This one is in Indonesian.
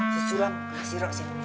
si suram si roksi